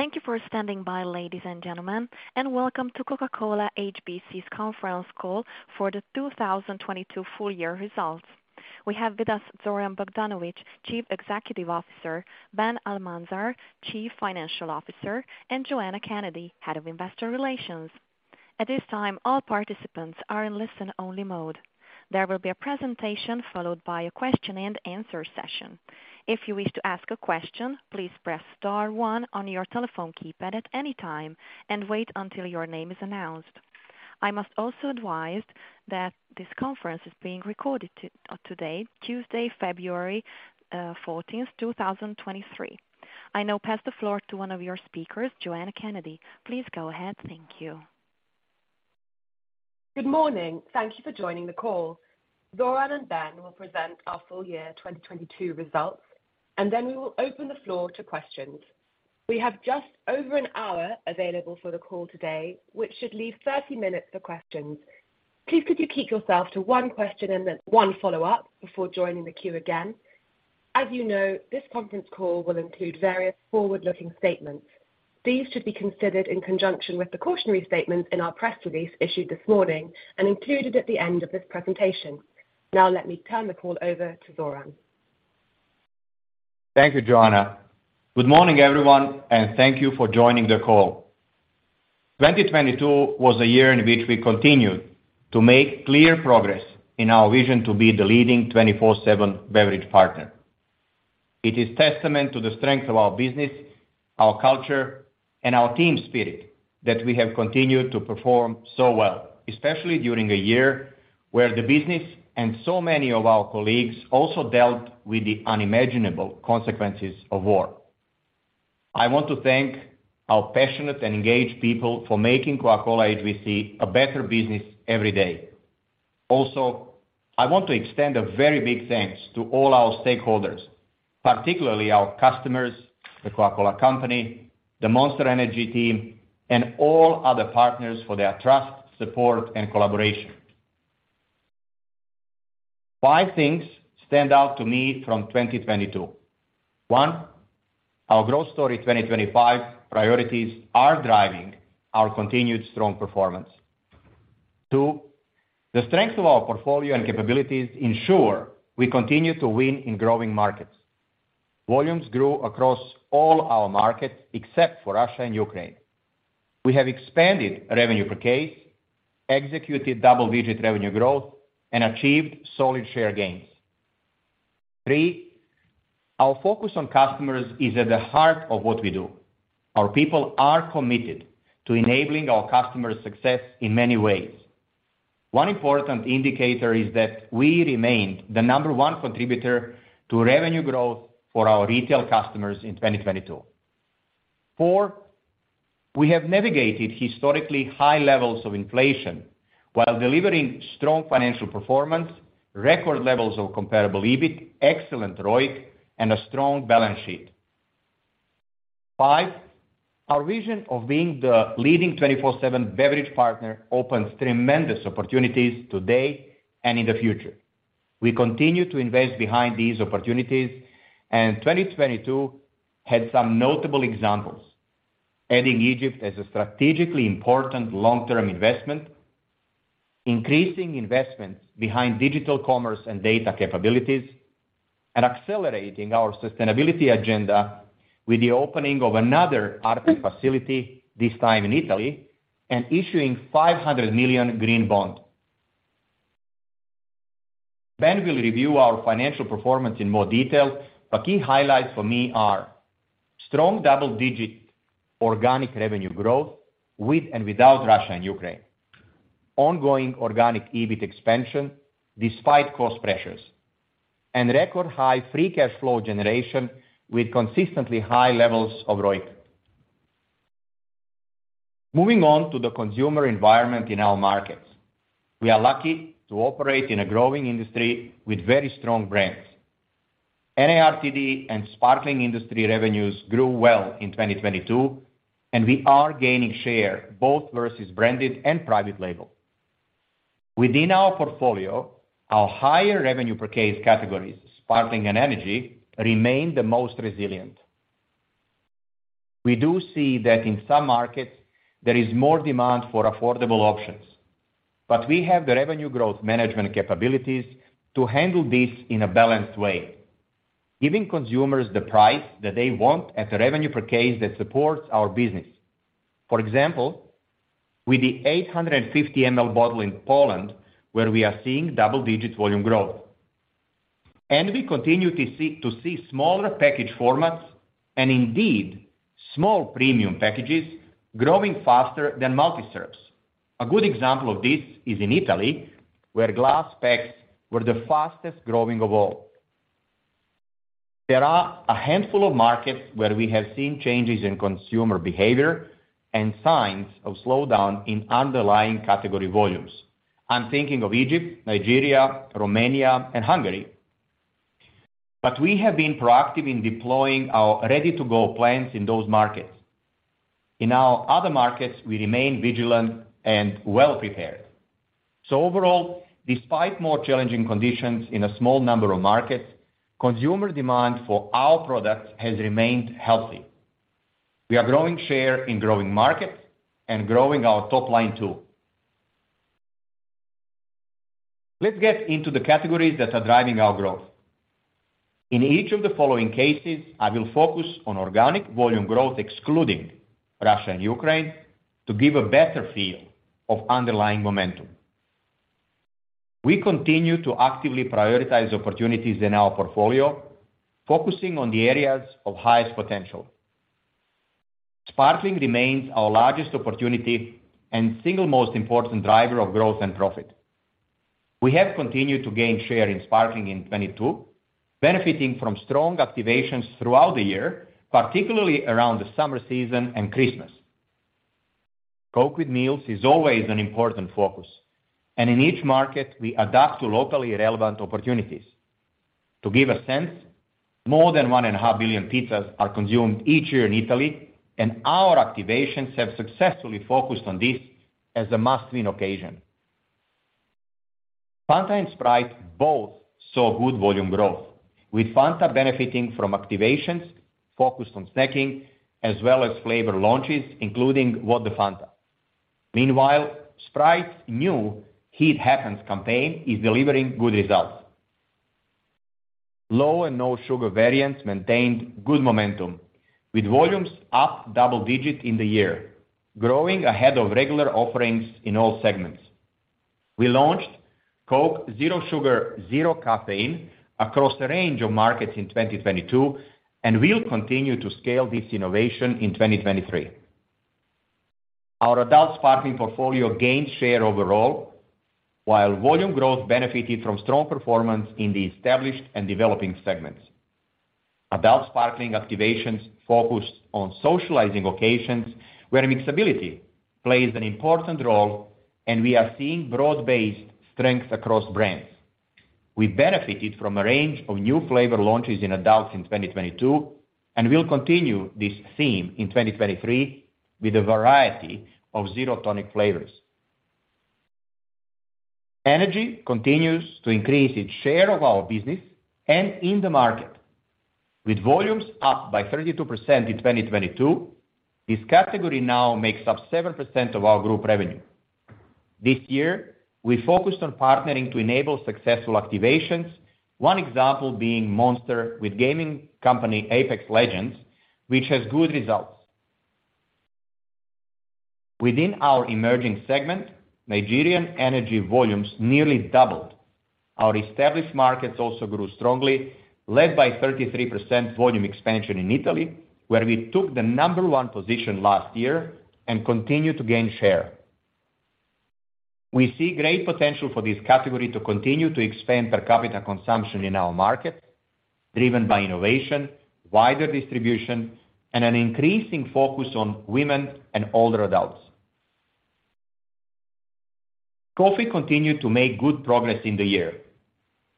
Thank you for standing by, ladies and gentlemen, and welcome to Coca-Cola HBC's conference call for the 2022 full year results. We have with us Zoran Bogdanovic, Chief Executive Officer, Ben Almanzar, Chief Financial Officer, and Joanna Kennedy, Head of Investor Relations. At this time, all participants are in listen-only mode. There will be a presentation followed by a question and answer session. If you wish to ask a question, please press star one on your telephone keypad at any time and wait until your name is announced. I must also advise that this conference is being recorded today, Tuesday, February 14th, 2023. I now pass the floor to one of your speakers, Joanna Kennedy. Please go ahead. Thank you. Good morning. Thank you for joining the call. Zoran and Ben will present our full year 2022 results, and then we will open the floor to questions. We have just over an hour available for the call today, which should leave 30 minutes for questions. Please could you keep yourself to one question and then one follow-up before joining the queue again. As you know, this conference call will include various forward-looking statements. These should be considered in conjunction with the cautionary statements in our press release issued this morning and included at the end of this presentation. Let me turn the call over to Zoran. Thank you, Joanna. Good morning, everyone, thank you for joining the call. 2022 was a year in which we continued to make clear progress in our vision to be the leading 24/7 beverage partner. It is testament to the strength of our business, our culture, and our team spirit that we have continued to perform so well, especially during a year where the business and so many of our colleagues also dealt with the unimaginable consequences of war. I want to thank our passionate and engaged people for making Coca-Cola HBC a better business every day. I want to extend a very big thanks to all our stakeholders, particularly our customers, The Coca-Cola Company, the Monster Energy team, and all other partners for their trust, support, and collaboration. Five things stand out to me from 2022. One, our Growth Story 2025 priorities are driving our continued strong performance. two, the strength of our portfolio and capabilities ensure we continue to win in growing markets. Volumes grew across all our markets except for Russia and Ukraine. We have expanded revenue per case, executed double-digit revenue growth, and achieved solid share gains. three, our focus on customers is at the heart of what we do. Our people are committed to enabling our customers' success in many ways. One important indicator is that we remained the number one contributor to revenue growth for our retail customers in 2022. Four, we have navigated historically high levels of inflation while delivering strong financial performance, record levels of comparable EBIT, excellent ROIC, and a strong balance sheet. Five, our vision of being the leading 24/7 beverage partner opens tremendous opportunities today and in the future. We continue to invest behind these opportunities, and 2022 had some notable examples, adding Egypt as a strategically important long-term investment, increasing investments behind digital commerce and data capabilities, and accelerating our sustainability agenda with the opening of another Arctic facility, this time in Italy, and issuing 500 million Green Bond. Key highlights for me are strong double-digit organic revenue growth with and without Russia and Ukraine. Ongoing organic EBIT expansion despite cost pressures and record high free cash flow generation with consistently high levels of ROIC. Moving on to the consumer environment in our markets. We are lucky to operate in a growing industry with very strong brands. NARTD and sparkling industry revenues grew well in 2022, and we are gaining share both versus branded and private label. Within our portfolio, our higher revenue per case categories, sparkling and energy, remain the most resilient. We do see that in some markets, there is more demand for affordable options, but we have the revenue growth management capabilities to handle this in a balanced way, giving consumers the price that they want at the revenue per case that supports our business. For example, with the 850 ML bottle in Poland, where we are seeing double-digit volume growth. We continue to see smaller package formats and indeed small premium packages growing faster than multi-serves. A good example of this is in Italy, where glass packs were the fastest-growing of all. There are a handful of markets where we have seen changes in consumer behavior and signs of slowdown in underlying category volumes. I'm thinking of Egypt, Nigeria, Romania, and Hungary. We have been proactive in deploying our ready-to-go plans in those markets. In our other markets, we remain vigilant and well prepared. Overall, despite more challenging conditions in a small number of markets, consumer demand for our products has remained healthy. We are growing share in growing markets and growing our top line too. Let's get into the categories that are driving our growth. In each of the following cases, I will focus on organic volume growth excluding Russia and Ukraine to give a better feel of underlying momentum. We continue to actively prioritize opportunities in our portfolio, focusing on the areas of highest potential. Sparkling remains our largest opportunity and single most important driver of growth and profit. We have continued to gain share in Sparkling in 22, benefiting from strong activations throughout the year, particularly around the summer season and Christmas. Coke with meals is always an important focus, and in each market we adapt to locally relevant opportunities. To give a sense, more than one and a half billion pizzas are consumed each year in Italy, and our activations have successfully focused on this as a must-win occasion. Fanta and Sprite both saw good volume growth, with Fanta benefiting from activations focused on snacking as well as flavor launches, including What the Fanta. Meanwhile, Sprite's new Heat Happens campaign is delivering good results. Low and no sugar variants maintained good momentum with volumes up double-digit in the year, growing ahead of regular offerings in all segments. We launched Coke Zero Sugar Zero Caffeine across a range of markets in 2022, and will continue to scale this innovation in 2023. Our Adult sparkling portfolio gained share overall, while volume growth benefited from strong performance in the established and developing segments. Adult sparkling activations focused on socializing occasions where mixability plays an important role and we are seeing broad-based strength across brands. We benefited from a range of new flavor launches in adults in 2022, and we'll continue this theme in 2023 with a variety of Zero Tonic flavors. Energy continues to increase its share of our business and in the market. With volumes up by 32% in 2022, this category now makes up 7% of our group revenue. This year, we focused on partnering to enable successful activations. One example being Monster with gaming company, Apex Legends, which has good results. Within our emerging segment, Nigerian energy volumes nearly doubled. Our established markets also grew strongly, led by 33% volume expansion in Italy, where we took the number 1 position last year and continued to gain share. We see great potential for this category to continue to expand per capita consumption in our market, driven by innovation, wider distribution, and an increasing focus on women and older adults. Coffee continued to make good progress in the year.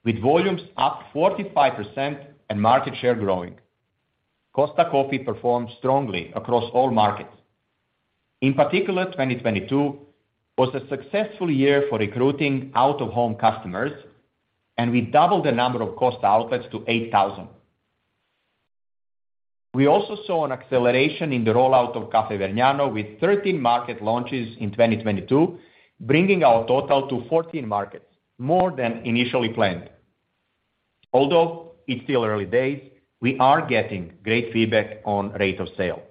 With volumes up 45% and market share growing. Costa Coffee performed strongly across all markets. In particular, 2022 was a successful year for recruiting out-of-home customers, and we doubled the number of Costa outlets to 8,000. We also saw an acceleration in the rollout of Caffè Vergnano with 13 market launches in 2022, bringing our total to 14 markets, more than initially planned. Although it's still early days, we are getting great feedback on rate of sale.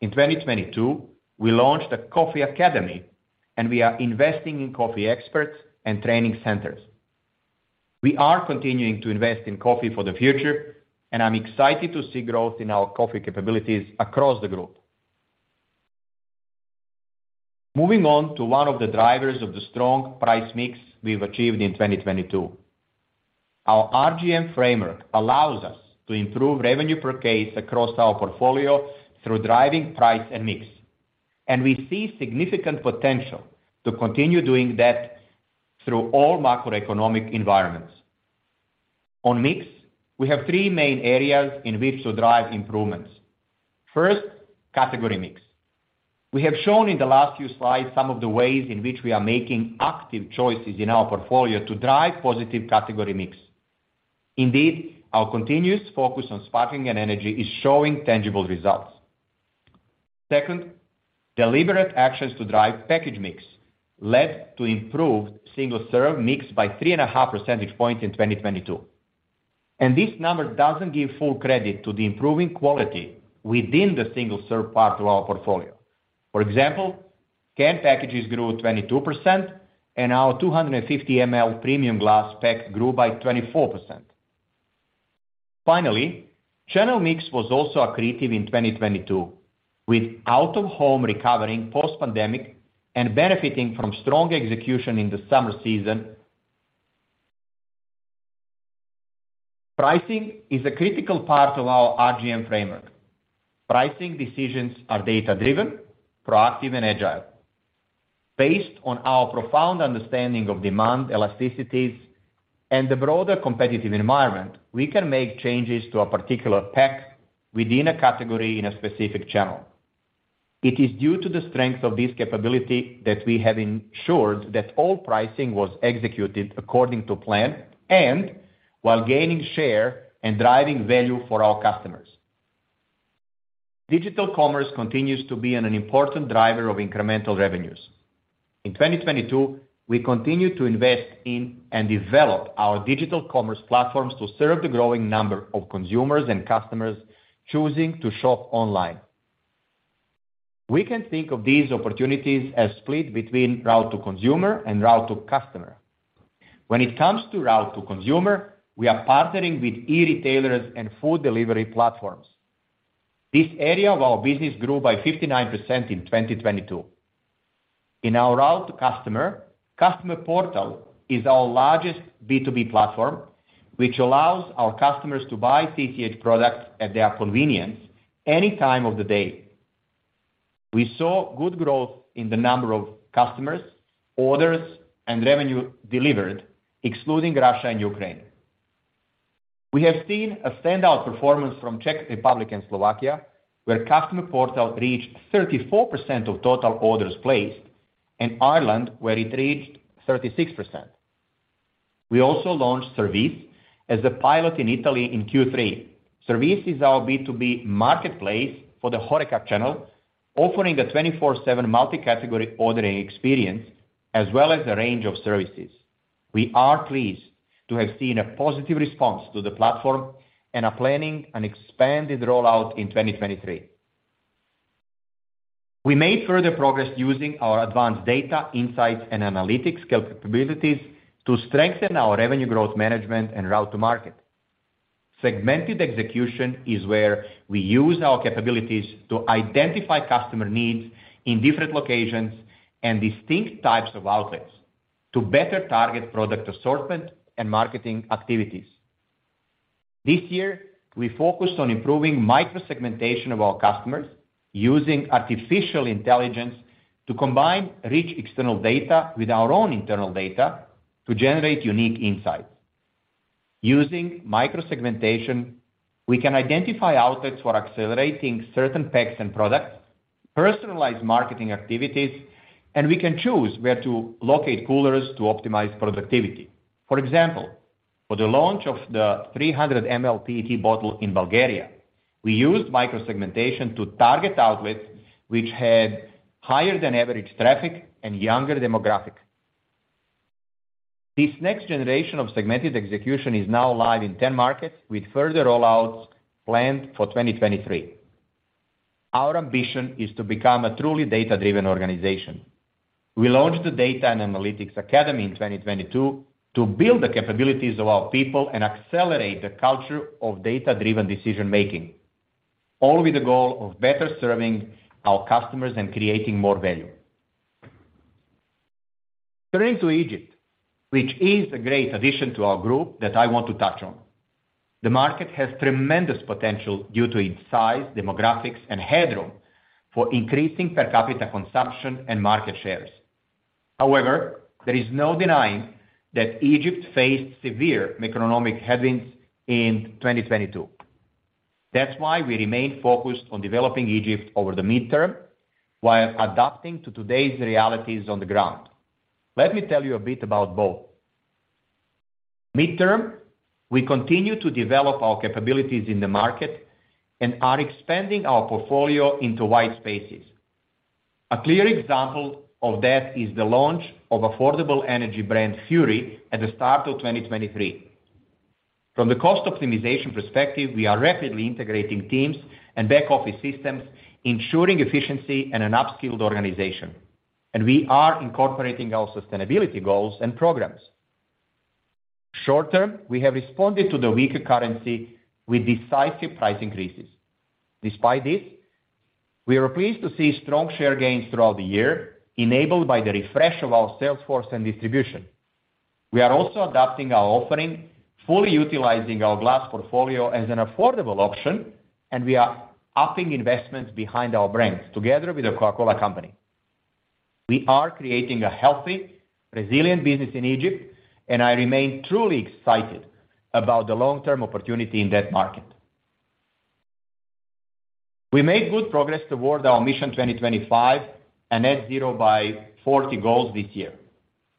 In 2022, we launched a coffee academy, and we are investing in coffee experts and training centers. We are continuing to invest in coffee for the future, and I'm excited to see growth in our coffee capabilities across the group. Moving on to one of the drivers of the strong price mix we've achieved in 2022. Our RGM framework allows us to improve revenue per case across our portfolio through driving price and mix, and we see significant potential to continue doing that through all macroeconomic environments. On mix, we have three main areas in which to drive improvements. First, category mix. We have shown in the last few slides some of the ways in which we are making active choices in our portfolio to drive positive category mix. Indeed, our continuous focus on sparkling and energy is showing tangible results. Second, deliberate actions to drive package mix led to improved single-serve mix by three and a half percentage points in 2022. This number doesn't give full credit to the improving quality within the single-serve part of our portfolio. For example, canned packages grew 22% and our 250 ml premium glass pack grew by 24%. Finally, channel mix was also accretive in 2022 with out-of-home recovering post-pandemic and benefiting from strong execution in the summer season. Pricing is a critical part of our RGM framework. Pricing decisions are data-driven, proactive, and agile. Based on our profound understanding of demand elasticities and the broader competitive environment, we can make changes to a particular pack within a category in a specific channel. It is due to the strength of this capability that we have ensured that all pricing was executed according to plan and while gaining share and driving value for our customers. Digital commerce continues to be an important driver of incremental revenues. In 2022, we continued to invest in and develop our digital commerce platforms to serve the growing number of consumers and customers choosing to shop online. We can think of these opportunities as split between route to consumer and route to customer. It comes to route to consumer, we are partnering with e-retailers and food delivery platforms. This area of our business grew by 59% in 2022. In our route to customer, Customer Portal is our largest B2B platform, which allows our customers to buy CCH products at their convenience any time of the day. We saw good growth in the number of customers, orders, and revenue delivered, excluding Russia and Ukraine. We have seen a standout performance from Czech Republic and Slovakia, where Customer Portal reached 34% of total orders placed, and Ireland, where it reached 36%. We also launched Service as a pilot in Italy in Q3. Service is our B2B marketplace for the HoReCa channel, offering a 24/7 multi-category ordering experience as well as a range of services. We are pleased to have seen a positive response to the platform and are planning an expanded rollout in 2023. We made further progress using our advanced data insights and analytics capabilities to strengthen our Revenue Growth Management and route to market. Segmented execution is where we use our capabilities to identify customer needs in different locations and distinct types of outlets to better target product assortment and marketing activities. This year we focused on improving micro segmentation of our customers using artificial intelligence to combine rich external data with our own internal data to generate unique insights. Using micro segmentation, we can identify outlets for accelerating certain packs and products, personalized marketing activities, and we can choose where to locate coolers to optimize productivity. For example, for the launch of the 300 mL PET bottle in Bulgaria, we used micro segmentation to target outlets which had higher than average traffic and younger demographic. This next generation of segmented execution is now live in 10 markets with further rollouts planned for 2023. Our ambition is to become a truly data-driven organization. We launched the Data and Analytics Academy in 2022 to build the capabilities of our people and accelerate the culture of data-driven decision making, all with the goal of better serving our customers and creating more value. Turning to Egypt, which is a great addition to our group that I want to touch on. The market has tremendous potential due to its size, demographics, and headroom for increasing per capita consumption and market shares. However, there is no denying that Egypt faced severe macroeconomic headwinds in 2022. That's why we remain focused on developing Egypt over the midterm while adapting to today's realities on the ground. Let me tell you a bit about both. Midterm, we continue to develop our capabilities in the market and are expanding our portfolio into wide spaces. A clear example of that is the launch of affordable energy brand Fury at the start of 2023. From the cost optimization perspective, we are rapidly integrating teams and back office systems, ensuring efficiency and an upskilled organization. We are incorporating our sustainability goals and programs. Short term, we have responded to the weaker currency with decisive price increases. Despite this, we are pleased to see strong share gains throughout the year enabled by the refresh of our sales force and distribution. We are also adapting our offering, fully utilizing our glass portfolio as an affordable option. We are upping investments behind our brands together with The Coca-Cola Company. We are creating a healthy, resilient business in Egypt. I remain truly excited about the long-term opportunity in that market. We made good progress towards our Mission 2025 and Net Zero by 2040 goals this year.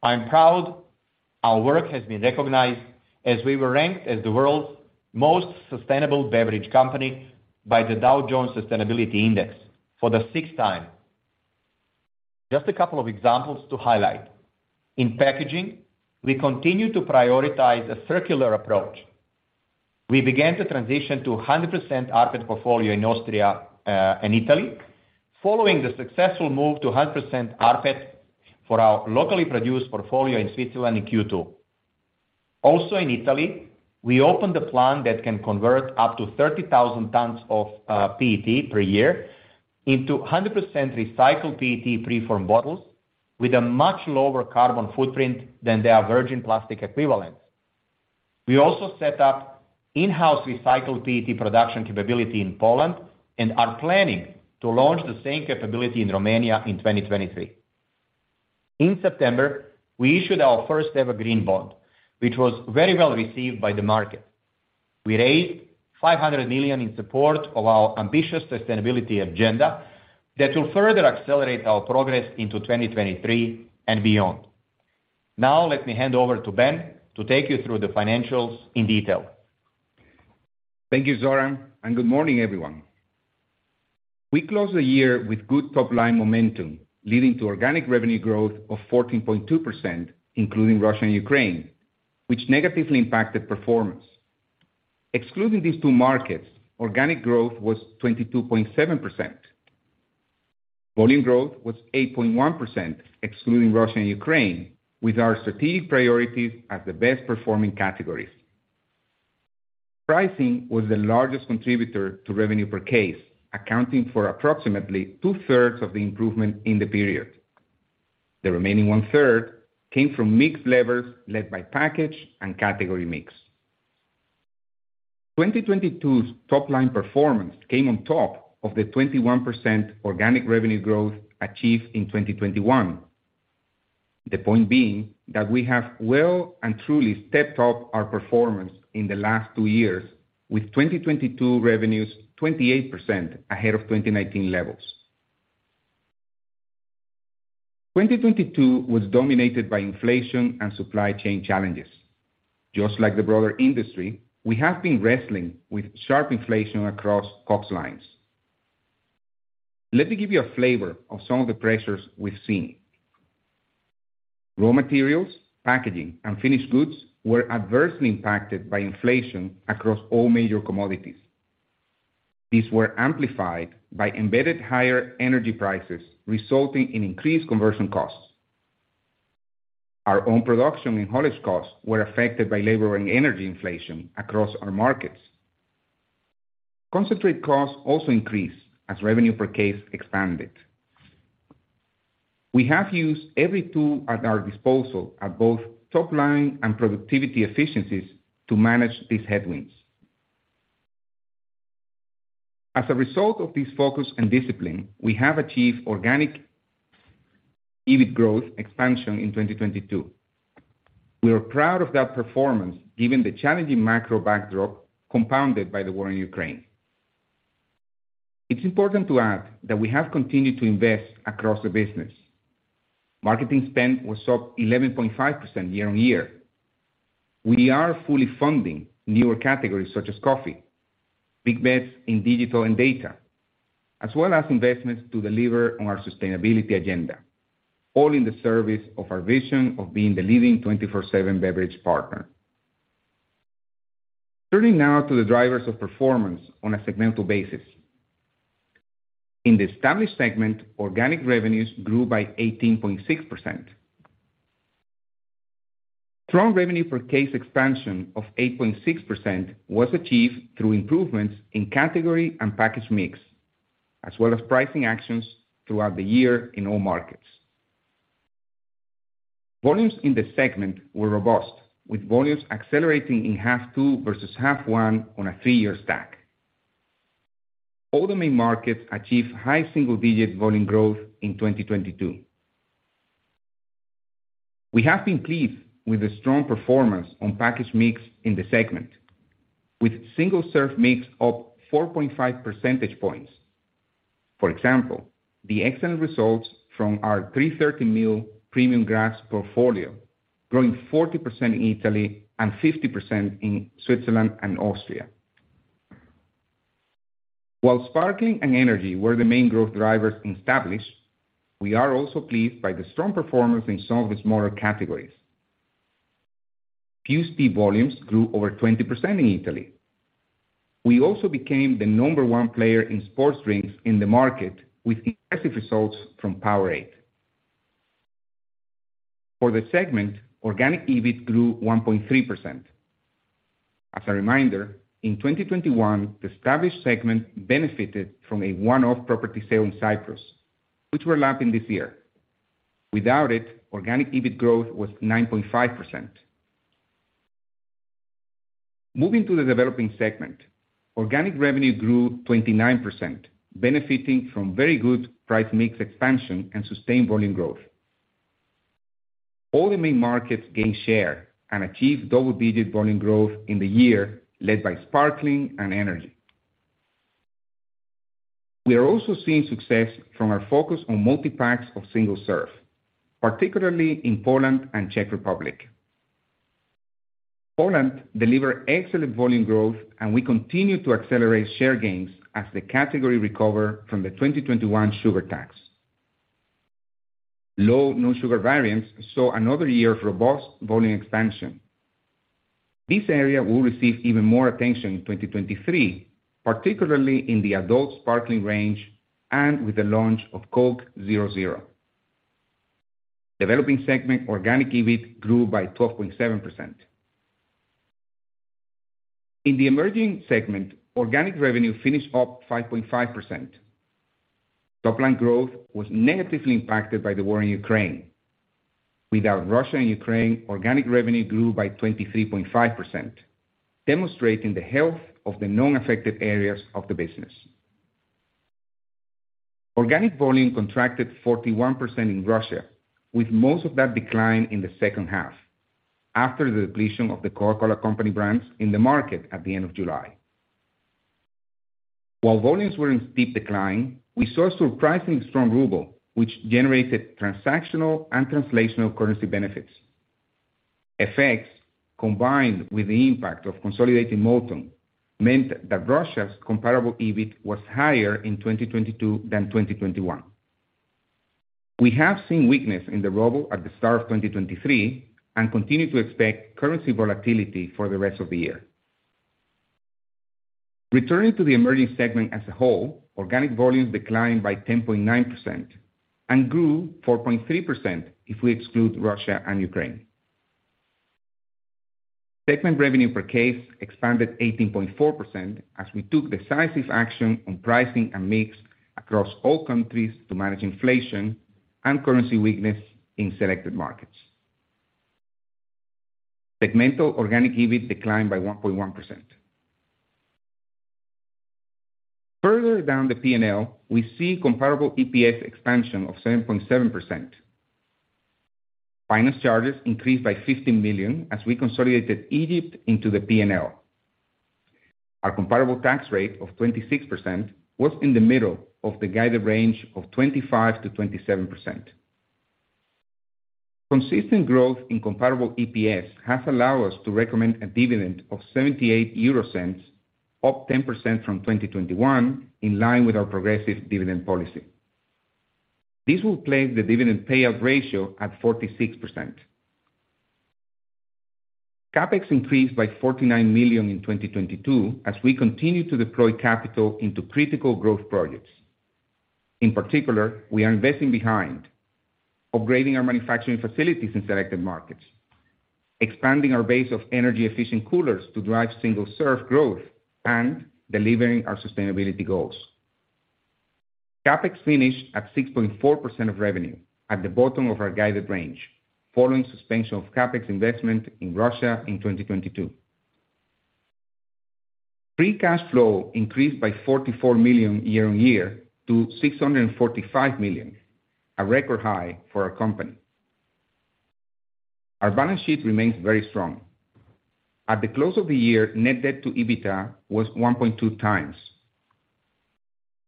I'm proud our work has been recognized as we were ranked as the world's most sustainable beverage company by the Dow Jones Sustainability Index for the sixth time. Just a couple of examples to highlight. In packaging, we continue to prioritize a circular approach. We began to transition to a 100% rPET portfolio in Austria and Italy following the successful move to a 100% rPET for our locally produced portfolio in Switzerland in Q2. In Italy, we opened a plant that can convert up to 30,000 tons of PET per year into 100% recycled PET preform bottles with a much lower carbon footprint than their virgin plastic equivalent. We also set up in-house recycled PET production capability in Poland and are planning to launch the same capability in Romania in 2023. In September, we issued our first ever Green Bond, which was very well received by the market. We raised 500 million in support of our ambitious sustainability agenda that will further accelerate our progress into 2023 and beyond. Let me hand over to Ben to take you through the financials in detail. Thank you, Zoran. Good morning, everyone. We closed the year with good top-line momentum, leading to organic revenue growth of 14.2%, including Russia and Ukraine, which negatively impacted performance. Excluding these two markets, organic growth was 22.7%. Volume growth was 8.1%, excluding Russia and Ukraine, with our strategic priorities as the best performing categories. Pricing was the largest contributor to revenue per case, accounting for approximately two-thirds of the improvement in the period. The remaining one-third came from mixed levers led by package and category mix. 2022's top line performance came on top of the 21% organic revenue growth achieved in 2021. The point being that we have well and truly stepped up our performance in the last two years with 2022 revenues 28% ahead of 2019 levels. 2022 was dominated by inflation and supply chain challenges. Just like the broader industry, we have been wrestling with sharp inflation across costs lines. Let me give you a flavor of some of the pressures we've seen. Raw materials, packaging, and finished goods were adversely impacted by inflation across all major commodities. These were amplified by embedded higher energy prices, resulting in increased conversion costs. Our own production and haulage costs were affected by labor and energy inflation across our markets. Concentrate costs also increased as revenue per case expanded. We have used every tool at our disposal at both top line and productivity efficiencies to manage these headwinds. As a result of this focus and discipline, we have achieved organic EBIT growth expansion in 2022. We are proud of that performance given the challenging macro backdrop compounded by the war in Ukraine. It's important to add that we have continued to invest across the business. Marketing spend was up 11.5% year-on-year. We are fully funding newer categories such as coffee, big bets in digital and data, as well as investments to deliver on our sustainability agenda, all in the service of our vision of being the leading 24/7 beverage partner. Turning now to the drivers of performance on a segmental basis. In the established segment, organic revenues grew by 18.6%. Strong revenue per case expansion of 8.6% was achieved through improvements in category and package mix, as well as pricing actions throughout the year in all markets. Volumes in the segment were robust, with volumes accelerating in H2 versus H1 on a 3-year stack. All the main markets achieved high single-digit volume growth in 2022. We have been pleased with the strong performance on package mix in the segment with single-serve mix up 4.5 percentage points. For example, the excellent results from our 330 ml premium glass portfolio growing 40% in Italy and 50% in Switzerland and Austria. While sparkling and energy were the main growth drivers established, we are also pleased by the strong performance in some of the smaller categories. Fuze Tea volumes grew over 20% in Italy. We also became the number one player in sports drinks in the market with impressive results from Powerade. For the segment, organic EBIT grew 1.3%. As a reminder, in 2021, the established segment benefited from a one-off property sale in Cyprus, which we're lapping this year. Without it, organic EBIT growth was 9.5% Moving to the developing segment, organic revenue grew 29%, benefiting from very good price mix expansion and sustained volume growth. All the main markets gained share and achieved double-digit volume growth in the year led by Sparkling and Energy. We are also seeing success from our focus on multi-packs of single serve, particularly in Poland and Czech Republic. Poland delivered excellent volume growth, we continue to accelerate share gains as the category recover from the 2021 sugar tax. Low no sugar variants saw another year of robust volume expansion. This area will receive even more attention in 2023, particularly in the adult sparkling range and with the launch of Coke Zero Zero. Developing segment organic EBIT grew by 12.7%. In the emerging segment, organic revenue finished up 5.5%. Top line growth was negatively impacted by the war in Ukraine. Without Russia and Ukraine, organic revenue grew by 23.5%, demonstrating the health of the non-affected areas of the business. Organic volume contracted 41% in Russia, with most of that decline in the second half after the depletion of The Coca-Cola Company brands in the market at the end of July. While volumes were in steep decline, we saw surprisingly strong ruble, which generated transactional and translational currency benefits. Effects combined with the impact of consolidating Multon meant that Russia's comparable EBIT was higher in 2022 than 2021. We have seen weakness in the ruble at the start of 2023 and continue to expect currency volatility for the rest of the year. Returning to the emerging segment as a whole, organic volumes declined by 10.9% and grew 4.3% if we exclude Russia and Ukraine. Segment revenue per case expanded 18.4% as we took decisive action on pricing and mix across all countries to manage inflation and currency weakness in selected markets. Segmental organic EBIT declined by 1.1%. Further down the P&L, we see comparable EPS expansion of 7.7%. Finance charges increased by 50 million as we consolidated Egypt into the P&L. Our comparable tax rate of 26% was in the middle of the guided range of 25%-27%. Consistent growth in comparable EPS has allowed us to recommend a dividend of 0.78, up 10% from 2021, in line with our progressive dividend policy. This will place the dividend payout ratio at 46%. CapEx increased by 49 million in 2022 as we continue to deploy capital into critical growth projects. In particular, we are investing behind upgrading our manufacturing facilities in selected markets, expanding our base of energy efficient coolers to drive single-serve growth, and delivering our sustainability goals. CapEx finished at 6.4% of revenue, at the bottom of our guided range, following suspension of CapEx investment in Russia in 2022. Free cash flow increased by 44 million year-on-year to 645 million, a record high for our company. Our balance sheet remains very strong. At the close of the year, net debt to EBITDA was 1.2 times.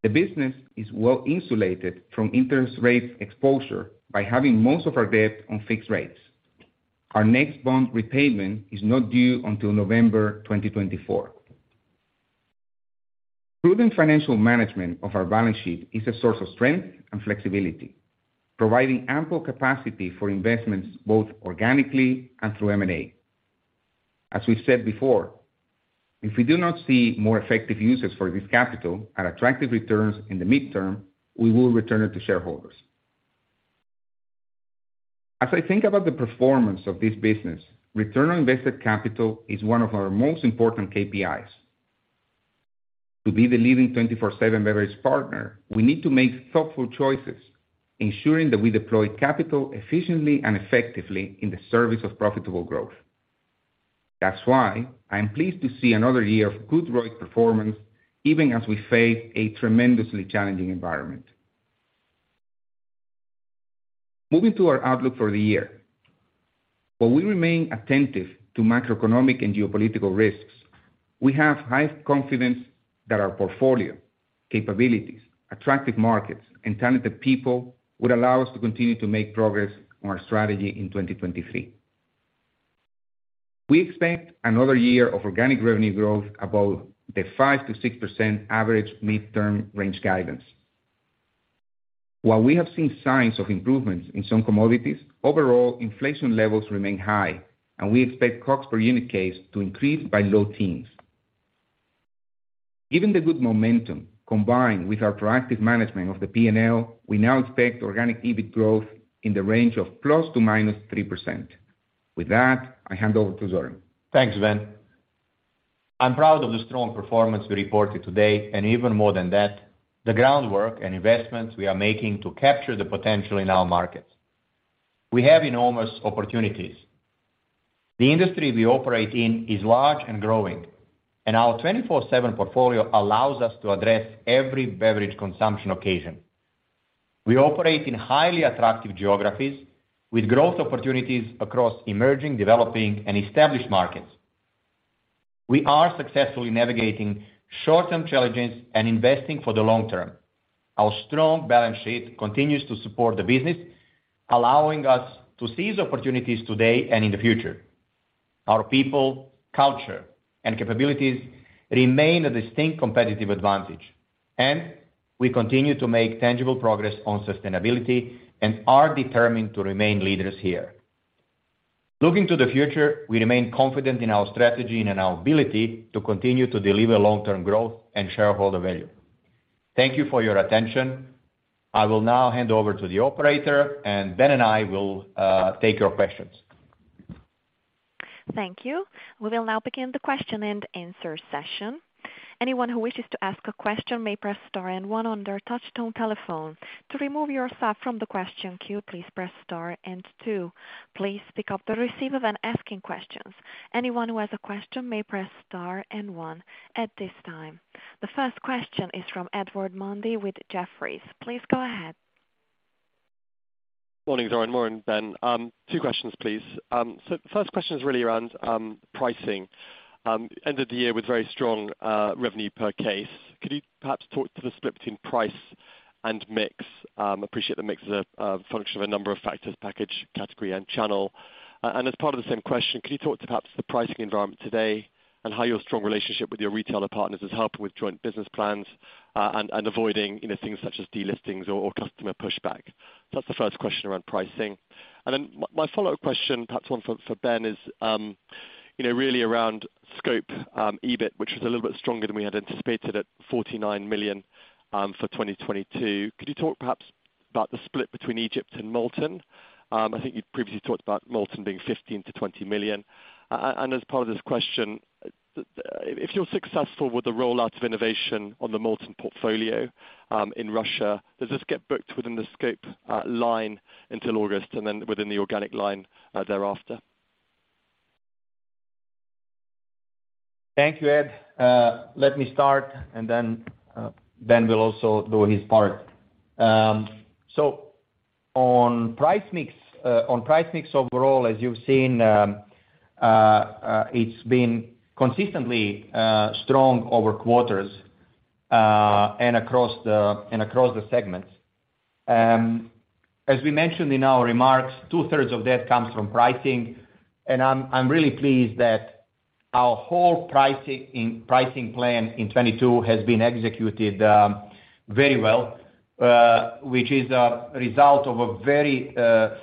The business is well-insulated from interest rate exposure by having most of our debt on fixed rates. Our next bond repayment is not due until November 2024. Proven financial management of our balance sheet is a source of strength and flexibility, providing ample capacity for investments both organically and through M&A. As we've said before, if we do not see more effective uses for this capital at attractive returns in the midterm, we will return it to shareholders. As I think about the performance of this business, return on invested capital is one of our most important KPIs. To be the leading 24/7 beverage partner, we need to make thoughtful choices, ensuring that we deploy capital efficiently and effectively in the service of profitable growth. That's why I am pleased to see another year of good ROIC performance, even as we face a tremendously challenging environment. Moving to our outlook for the year. While we remain attentive to macroeconomic and geopolitical risks, we have high confidence that our portfolio, capabilities, attractive markets, and talented people would allow us to continue to make progress on our strategy in 2023. We expect another year of organic revenue growth above the 5%-6% average midterm range guidance. While we have seen signs of improvements in some commodities, overall inflation levels remain high and we expect costs per unit case to increase by low teens. Given the good momentum combined with our proactive management of the P&L, we now expect organic EBIT growth in the range of +3% to -3%. With that, I hand over to Zoran. Thanks, Ben. I'm proud of the strong performance we reported today, even more than that, the groundwork and investments we are making to capture the potential in our markets. We have enormous opportunities. The industry we operate in is large and growing, our 24/7 portfolio allows us to address every beverage consumption occasion. We operate in highly attractive geographies with growth opportunities across emerging, developing, and established markets. We are successfully navigating short-term challenges and investing for the long term. Our strong balance sheet continues to support the business, allowing us to seize opportunities today and in the future. Our people, culture, and capabilities remain a distinct competitive advantage, we continue to make tangible progress on sustainability and are determined to remain leaders here. Looking to the future, we remain confident in our strategy and in our ability to continue to deliver long-term growth and shareholder value. Thank you for your attention. I will now hand over to the operator, and Ben and I will take your questions. Thank you. We will now begin the question-and-answer session. Anyone who wishes to ask a question may press star and one on their touch-tone telephone. To remove yourself from the question queue, please press star and two. Please pick up the receiver when asking questions. Anyone who has a question may press star and one at this time. The first question is from Edward Mundy with Jefferies. Please go ahead. Morning, Zoran. Morning, Ben. Two questions, please. First question is really around pricing. Ended the year with very strong revenue per case. Could you perhaps talk to the split between price and mix? Appreciate the mix is a function of a number of factors, package, category and channel. And as part of the same question, can you talk to perhaps the pricing environment today and how your strong relationship with your retailer partners is helping with joint business plans and avoiding, you know, things such as delistings or customer pushback? That's the first question around pricing. My follow-up question, perhaps one for Ben is, you know, really around scope EBIT, which was a little bit stronger than we had anticipated at 49 million for 2022. Could you talk perhaps about the split between Egypt and Multon? I think you previously talked about Multon being 15 million-20 million. As part of this question, if you're successful with the rollout of innovation on the Multon portfolio, in Russia, does this get booked within the scope line until August and then within the organic line thereafter? Thank you, Ed. Let me start and then, Ben will also do his part. On price mix, on price mix overall, as you've seen, it's been consistently strong over quarters, and across the segments. As we mentioned in our remarks, two-thirds of that comes from pricing. I'm really pleased that our whole pricing plan in 2022 has been executed very well, which is a result of a very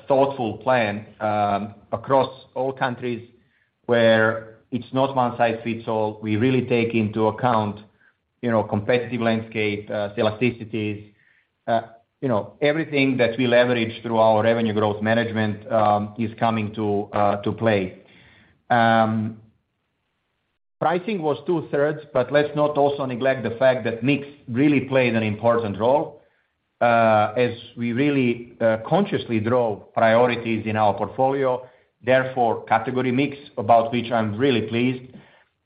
thoughtful plan across all countries where it's not one size fits all. We really take into account, you know, competitive landscape, elasticities, you know, everything that we leverage through our Revenue Growth Management is coming to play. Pricing was two-thirds, but let's not also neglect the fact that mix really played an important role, as we really consciously draw priorities in our portfolio, therefore category mix, about which I'm really pleased.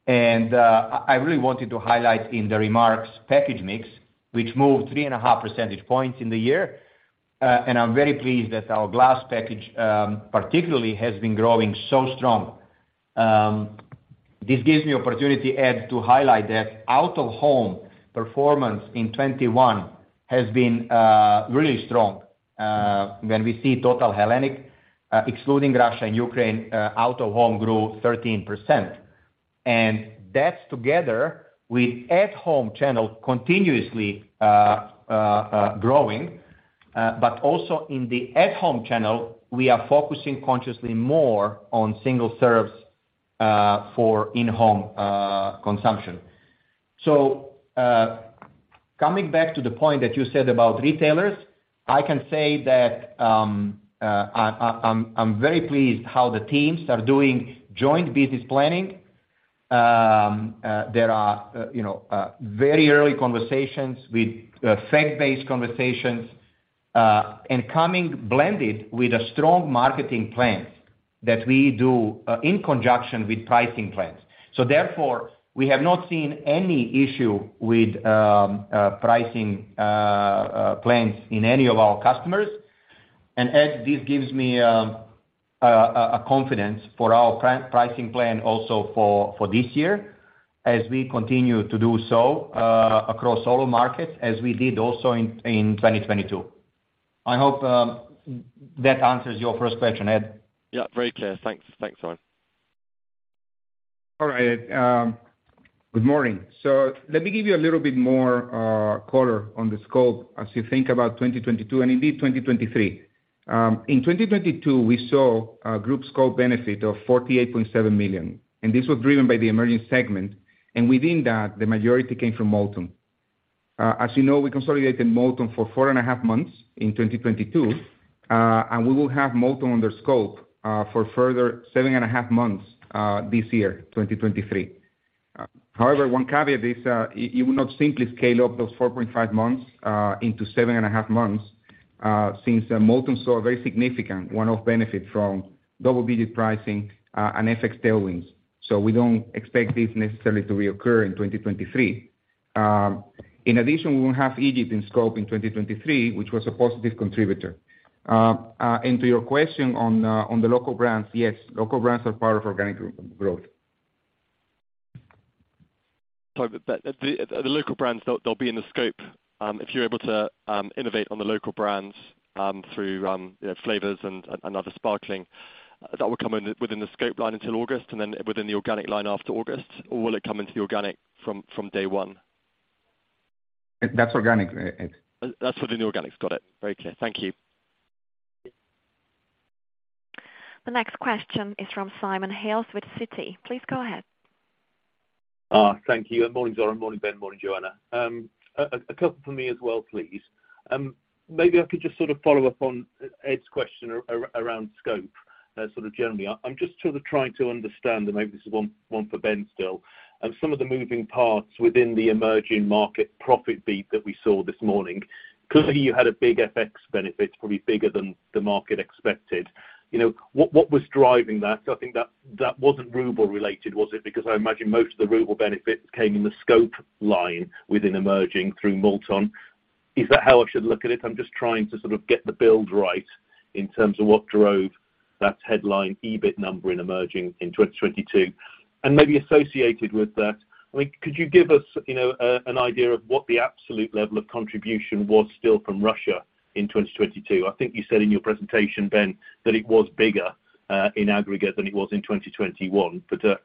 I really wanted to highlight in the remarks package mix, which moved 3.5 percentage points in the year. I'm very pleased that our glass package particularly has been growing so strong. This gives me opportunity, Ed, to highlight that out of home performance in 2021 has been really strong. When we see total Hellenic, excluding Russia and Ukraine, out of home grew 13%. That's together with at home channel continuously growing, but also in the at home channel, we are focusing consciously more on single serves for in-home consumption. Coming back to the point that you said about retailers, I can say that I'm very pleased how the teams are doing joint business planning. There are, you know, very early conversations with fact-based conversations, and coming blended with a strong marketing plan that we do in conjunction with pricing plans. Therefore, we have not seen any issue with pricing plans in any of our customers. Ed, this gives me a confidence for our pricing plan also for this year as we continue to do so across all markets as we did also in 2022. I hope that answers your first question, Ed. Yeah, very clear. Thanks. Thanks, Zoran. All right, Ed, good morning. Let me give you a little bit more color on the scope as you think about 2022 and indeed 2023. In 2022, we saw a group scope benefit of 48.7 million, and this was driven by the emerging segment. Within that, the majority came from Multon. As you know, we consolidated Multon for four and a half months in 2022, and we will have Multon under scope for further seven and a half months this year, 2023. One caveat is, you will not simply scale up those 4.5 months into seven and a half months since Multon saw a very significant one-off benefit from double digit pricing and FX tailwinds. We don't expect this necessarily to reoccur in 2023. In addition, we won't have Egypt in scope in 2023, which was a positive contributor. To your question on the local brands, yes, local brands are part of organic growth. Sorry, the local brands, they'll be in the scope, if you're able to innovate on the local brands, through, you know, flavors and other sparkling, that will come in within the scope line until August and then within the organic line after August? Will it come into the organic from day one? That's organic, Ed. That's within the organics. Got it. Very clear. Thank you. The next question is from Simon Hales with Citi. Please go ahead. Thank you. Morning, Zoran. Morning, Ben. Morning, Joanna. A couple for me as well, please. Maybe I could just sort of follow up on Ed's question around scope, sort of generally. I'm just sort of trying to understand, and maybe this is one for Ben still, some of the moving parts within the emerging market profit beat that we saw this morning. Clearly you had a big FX benefit, probably bigger than the market expected. You know, what was driving that? I think that wasn't ruble related, was it? Because I imagine most of the ruble benefits came in the scope line within emerging through Multon. Is that how I should look at it? I'm just trying to sort of get the build right in terms of what drove that headline EBIT number in emerging in 2022. Maybe associated with that, like, could you give us an idea of what the absolute level of contribution was still from Russia in 2022? I think you said in your presentation, Ben, that it was bigger in aggregate than it was in 2021, but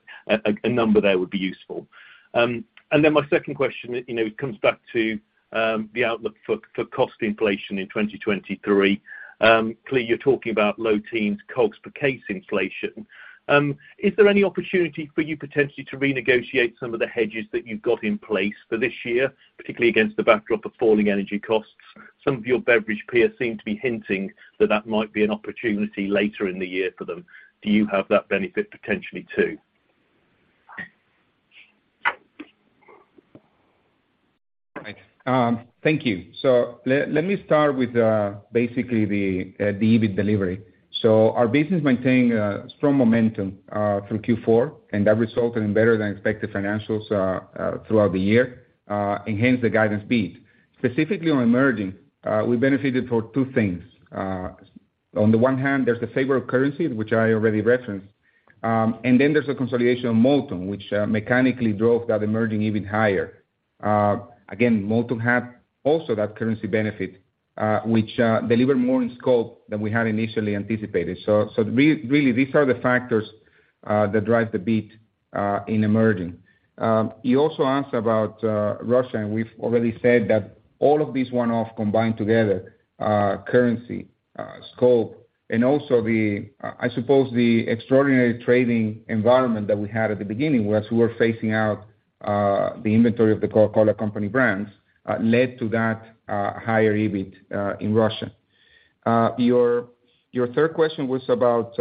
a number there would be useful. My second question comes back to the outlook for cost inflation in 2023. Clearly you're talking about low teens COGS per case inflation. Is there any opportunity for you potentially to renegotiate some of the hedges that you've got in place for this year, particularly against the backdrop of falling energy costs? Some of your beverage peers seem to be hinting that that might be an opportunity later in the year for them. Do you have that benefit potentially too? Right. Thank you. Let me start with basically the EBIT delivery. Our business maintained strong momentum through Q4, and that resulted in better than expected financials throughout the year, and hence the guidance beat. Specifically on emerging, we benefited for two things. On the one hand, there's the favor of currency, which I already referenced, and then there's a consolidation of Multon, which mechanically drove that emerging even higher. Again, Multon had also that currency benefit, which delivered more in scope than we had initially anticipated. Really, these are the factors that drive the beat in emerging. You also asked about Russia. We've already said that all of these one-off combined together, currency, scope, and also the, I suppose the extraordinary trading environment that we had at the beginning, as we were phasing out the inventory of The Coca-Cola Company brands, led to that higher EBIT in Russia. Your third question was about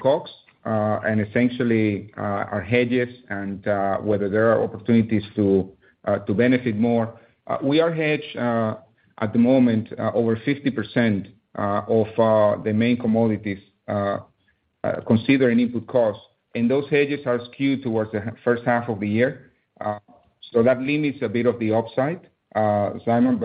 COGS, and essentially, our hedges and whether there are opportunities to benefit more. We are hedged at the moment, over 50% of the main commodities, considering input costs, and those hedges are skewed towards the first half of the year. That limits a bit of the upside, Simon,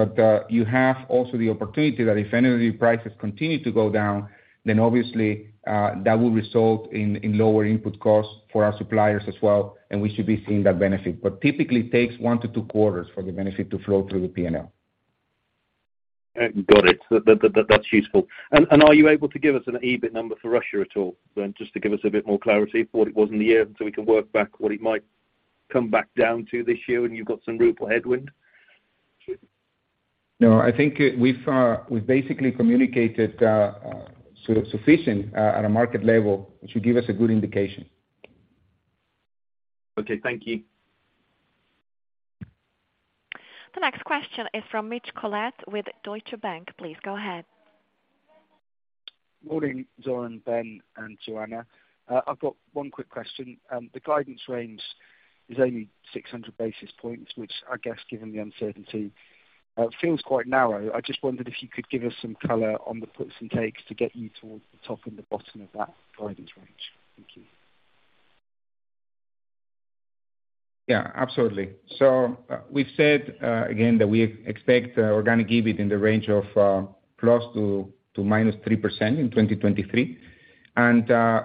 you have also the opportunity that if any of the prices continue to go down, then obviously, that will result in lower input costs for our suppliers as well, and we should be seeing that benefit. Typically it takes one to two quarters for the benefit to flow through the P&L. Got it. That's useful. Are you able to give us an EBIT number for Russia at all, Ben, just to give us a bit more clarity for what it was in the year so we can work back what it might come back down to this year when you've got some ruble headwind? I think we've basically communicated sufficient at a market level, which will give us a good indication. Okay, thank you. The next question is from Mitch Collett with Deutsche Bank. Please go ahead. Morning, Zoran, Ben, and Joanna. I've got one quick question. The guidance range is only 600 basis points, which I guess given the uncertainty, feels quite narrow. I just wondered if you could give us some color on the puts and takes to get you towards the top and the bottom of that guidance range. Thank you. Yeah, absolutely. We've said, again, that we expect organic EBIT in the range of plus to -3% in 2023.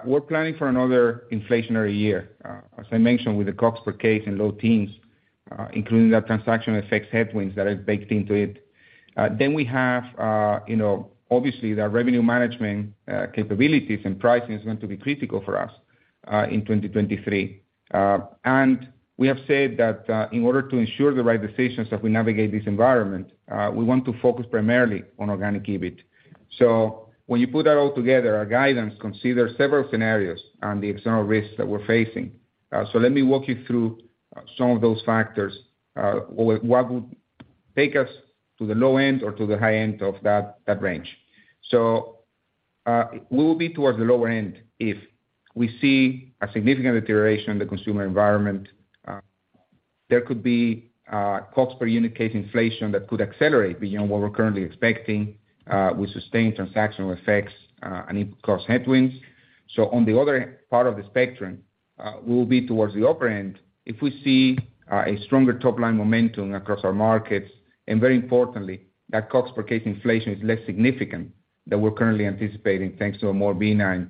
We're planning for another inflationary year, as I mentioned, with the COGS per case in low teens, including the transaction effects headwinds that are baked into it. We have, you know, obviously our revenue management capabilities and pricing is going to be critical for us in 2023. We have said that in order to ensure the right decisions as we navigate this environment, we want to focus primarily on organic EBIT. When you put that all together, our guidance consider several scenarios on the external risks that we're facing. Let me walk you through some of those factors. What would take us to the low end or to the high end of that range. We will be towards the lower end if we see a significant deterioration in the consumer environment. There could be costs per unit case inflation that could accelerate beyond what we're currently expecting with sustained transactional effects and input cost headwinds. On the other part of the spectrum, we will be towards the upper end if we see a stronger top-line momentum across our markets, and very importantly, that COGS per case inflation is less significant than we're currently anticipating, thanks to a more benign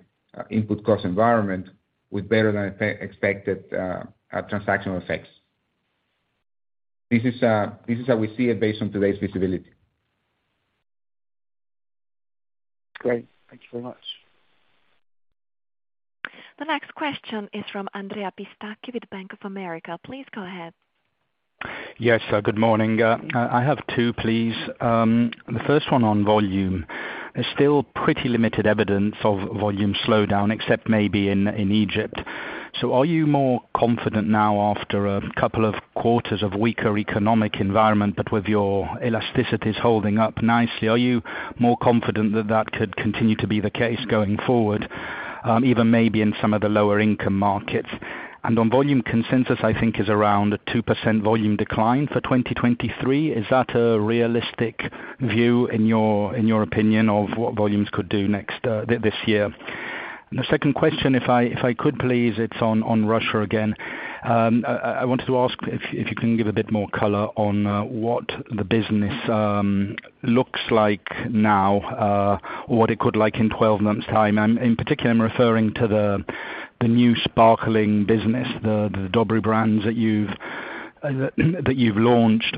input cost environment with better than expected transactional effects. This is how we see it based on today's visibility. Great. Thank you very much. The next question is from Andrea Pistacchi with Bank of America. Please go ahead. Yes. Good morning. I have two, please. The first one on volume. There's still pretty limited evidence of volume slowdown, except maybe in Egypt. Are you more confident now after a couple of quarters of weaker economic environment, but with your elasticities holding up nicely, are you more confident that that could continue to be the case going forward, even maybe in some of the lower income markets? On volume consensus, I think is around a 2% volume decline for 2023. Is that a realistic view in your opinion, of what volumes could do next this year? The second question, if I could please, it's on Russia again. I wanted to ask if you can give a bit more color on what the business looks like now, or what it could like in 12 months time. In particular, I'm referring to the new sparkling business, the Dobry brands that you've launched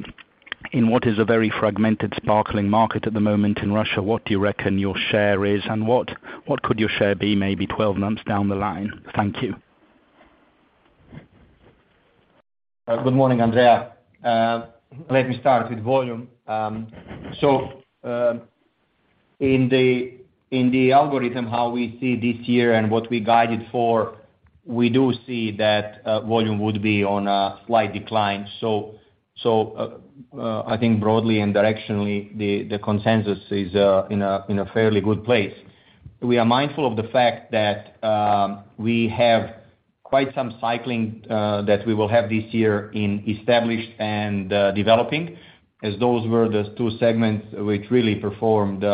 in what is a very fragmented sparkling market at the moment in Russia. What do you reckon your share is and what could your share be maybe 12 months down the line? Thank you. Good morning, Andrea. Let me start with volume. In the algorithm, how we see this year and what we guided for, we do see that volume would be on a slight decline. I think broadly and directionally, the consensus is in a fairly good place. We are mindful of the fact that we have quite some cycling that we will have this year in established and developing, as those were the two segments which really performed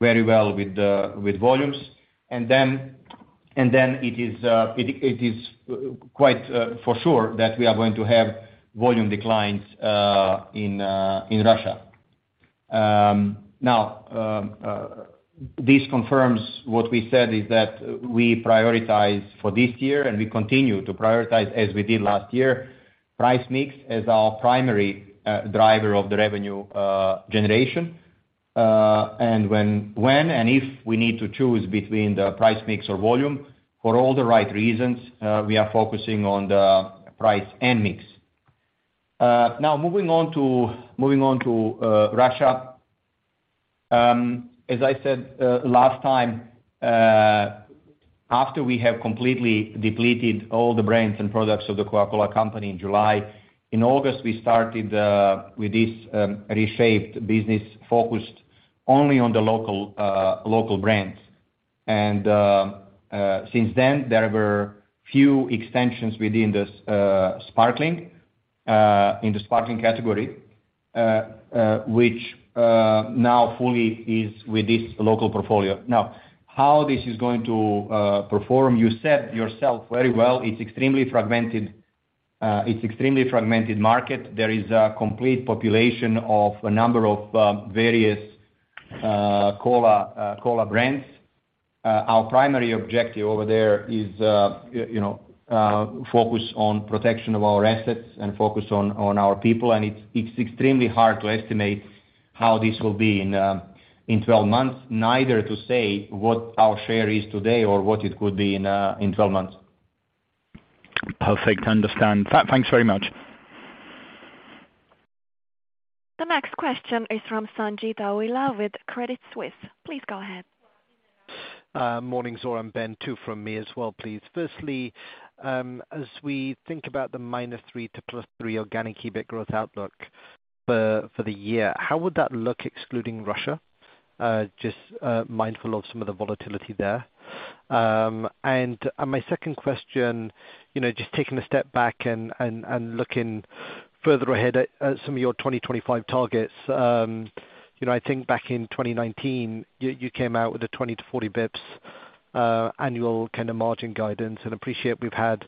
very well with volumes. It is quite for sure that we are going to have volume declines in Russia. Now, this confirms what we said is that we prioritize for this year and we continue to prioritize as we did last year, price mix as our primary driver of the revenue generation. When and if we need to choose between the price mix or volume for all the right reasons, we are focusing on the price and mix. Now moving on to Russia. As I said last time, after we have completely depleted all the brands and products of The Coca-Cola Company in July. In August, we started with this reshaped business focused only on the local brands. Since then, there were few extensions within this sparkling in the sparkling category, which now fully is with this local portfolio. Now, how this is going to perform, you said yourself very well. It's extremely fragmented. It's extremely fragmented market. There is a complete population of a number of various cola brands. Our primary objective over there is focus on protection of our assets and focus on our people. It's extremely hard to estimate how this will be in 12 months, neither to say what our share is today or what it could be in 12 months. Perfect. Understand. Thanks very much. The next question is from Sanjeet Aujla with Credit Suisse. Please go ahead. Morning, Zoran, Ben. Two from me as well, please. Firstly, as we think about the -3%-+3% organic EBIT growth outlook for the year, how would that look excluding Russia? Just mindful of some of the volatility there. My second question, you know, just taking a step back and looking further ahead at some of your 2025 targets, you know, I think back in 2019, you came out with a 20-40 basis points annual kind of margin guidance, appreciate we've had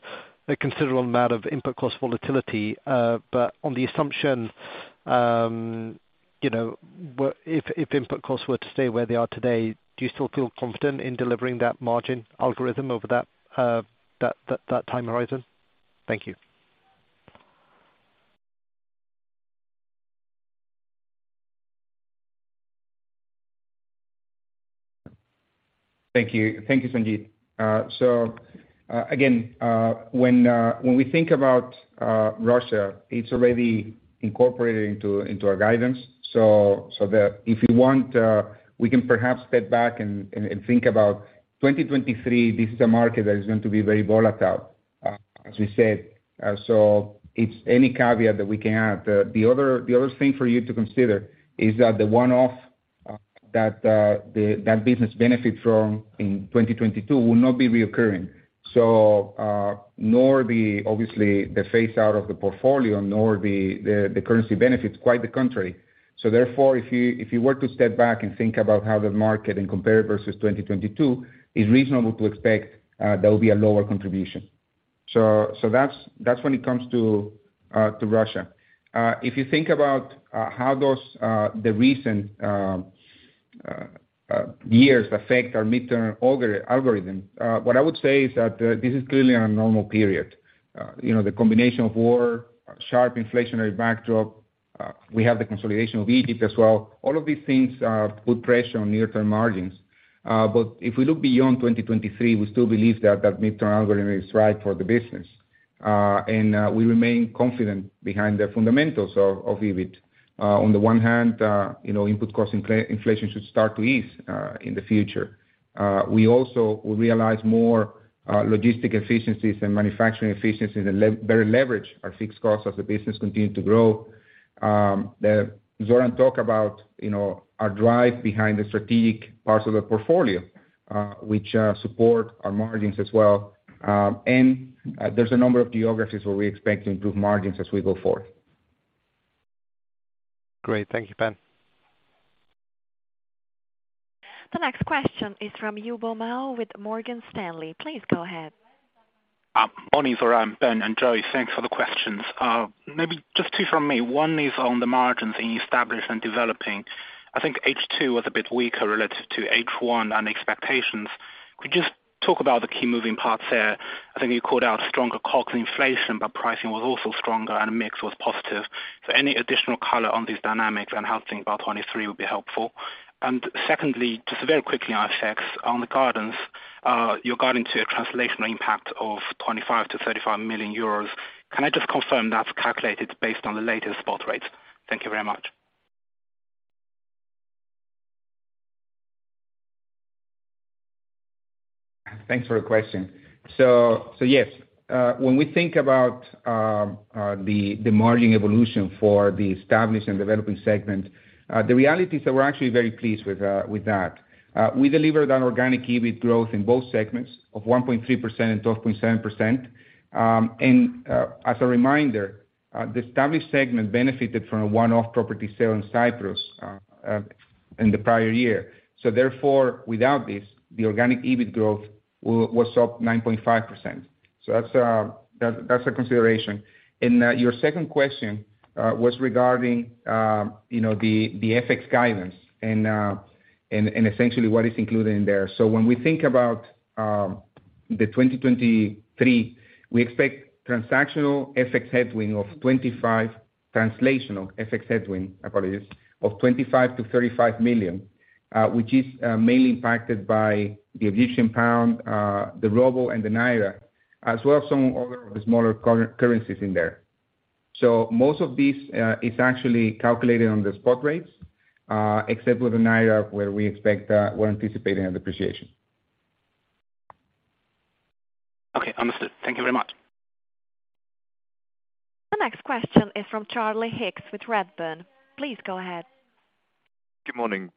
a considerable amount of input cost volatility. On the assumption, you know, if input costs were to stay where they are today, do you still feel confident in delivering that margin algorithm over that time horizon? Thank you. Thank you. Thank you, Sanjeet. Again, when we think about Russia, it's already incorporated into our guidance. If you want, we can perhaps step back and think about 2023. This is a market that is going to be very volatile, as we said. It's any caveat that we can have. The other thing for you to consider is that the one-off that business benefit from in 2022 will not be reoccurring. Obviously, the phase out of the portfolio, nor the currency benefits, quite the contrary. Therefore, if you were to step back and think about how the market and compare it versus 2022, it's reasonable to expect there will be a lower contribution. That's when it comes to Russia. If you think about how those the recent years affect our midterm algorithm, what I would say is that this is clearly a normal period. You know, the combination of war, sharp inflationary backdrop, we have the consolidation of Egypt as well. All of these things put pressure on near-term margins. If we look beyond 2023, we still believe that that midterm algorithm is right for the business. And we remain confident behind the fundamentals of EBIT. On the one hand, you know, input cost inflation should start to ease in the future. We also will realize more logistic efficiencies and manufacturing efficiencies and better leverage our fixed costs as the business continue to grow. The Zoran talk about, you know, our drive behind the strategic parts of the portfolio, which support our margins as well. There's a number of geographies where we expect to improve margins as we go forward. Great. Thank you, Ben. The next question is from Yu Bomell with Morgan Stanley. Please go ahead. Morning, Zoran, Ben, and Joey. Thanks for the questions. Maybe just two from me. One is on the margins in established and developing. I think H2 was a bit weaker relative to H1 and expectations. Could you just talk about the key moving parts there? I think you called out stronger COGS and inflation, pricing was also stronger and mix was positive. Any additional color on these dynamics and how to think about 23 would be helpful. Secondly, just very quickly on FX, on the guidance, you're guiding to a translational impact of 25 million-35 million euros. Can I just confirm that's calculated based on the latest spot rates? Thank you very much. Thanks for your question. So yes, when we think about the margin evolution for the established and developing segment, the reality is that we're actually very pleased with that. We delivered an organic EBIT growth in both segments of 1.3% and 12.7%. As a reminder, the established segment benefited from a one-off property sale in Cyprus in the prior year. Therefore, without this, the organic EBIT growth was up 9.5%. That's a consideration. Your second question was regarding, you know, the FX guidance and essentially what is included in there. When we think about 2023, we expect transactional FX headwind of 25... Translational FX headwind, apologies, of 25 million-35 million, which is mainly impacted by the Egyptian pound, the Ruble and the Naira, as well as some other of the smaller currencies in there. Most of these is actually calculated on the spot rates, except with the Naira where we expect we're anticipating a depreciation. Okay, understood. Thank you very much. The next question is from Charlie Higgs with Redburn. Please go ahead. Good morning, Zoran, Ben,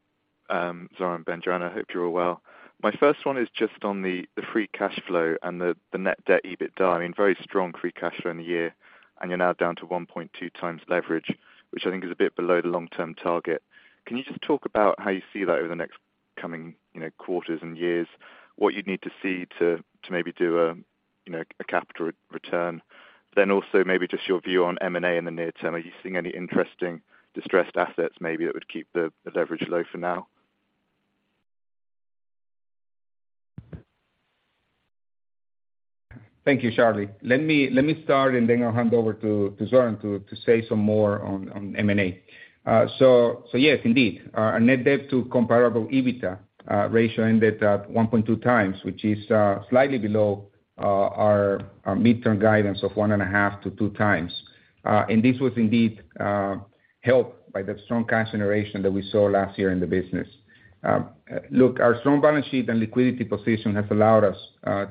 Joanna. Hope you're all well. My first one is just on the free cash flow and the net debt EBITDA. I mean, very strong free cash flow in the year, and you're now down to 1.2 times leverage, which I think is a bit below the long-term target. Can you just talk about how you see that over the next coming, you know, quarters and years, what you'd need to see to maybe do a, you know, a capital re-return? Also maybe just your view on M&A in the near term. Are you seeing any interesting distressed assets maybe that would keep the leverage low for now? Thank you, Charlie. Let me start and then I'll hand over to Zoran to say some more on M&A. Yes, indeed, our net debt to comparable EBITDA ratio ended at 1.2 times, which is slightly below our midterm guidance of 1.5 to 2 times. This was indeed helped by the strong cash generation that we saw last year in the business. Look, our strong balance sheet and liquidity position has allowed us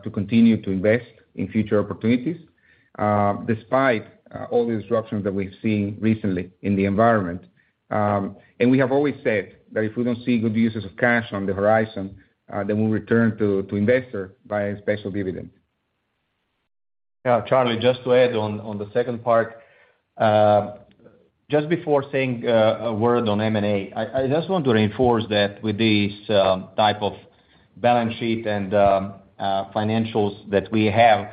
to continue to invest in future opportunities despite all the disruptions that we've seen recently in the environment. We have always said that if we don't see good uses of cash on the horizon, then we'll return to investor via special dividend. Yeah, Charlie, just to add on the second part, just before saying a word on M&A, I just want to reinforce that with this type of balance sheet and financials that we have,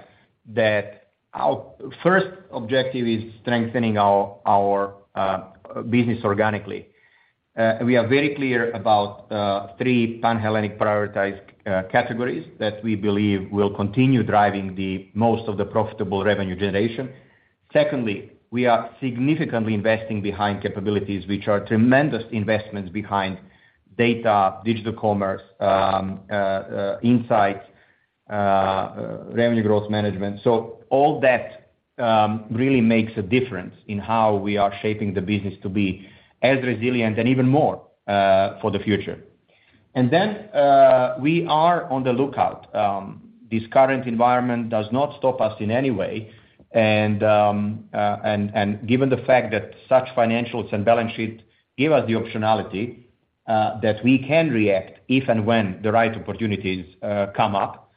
that our first objective is strengthening our business organically. We are very clear about three Panhellenic prioritized categories that we believe will continue driving the most of the profitable revenue generation. Secondly, we are significantly investing behind capabilities which are tremendous investments behind data, digital commerce, insight, revenue growth management. All that really makes a difference in how we are shaping the business to be as resilient and even more for the future. We are on the lookout. This current environment does not stop us in any way. Given the fact that such financials and balance sheet give us the optionality that we can react if and when the right opportunities come up.